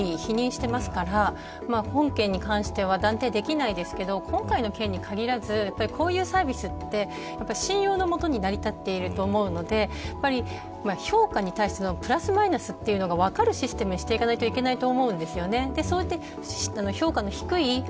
私は、この方まだ容疑を否認してますから本件に関しては断定できないですけど今回の件に限らずこういうサービスって、信用の元に成り立っていると思うので評価に対してのプラスマイナスというのが分かるシステムにしていかないといけないと思うんです。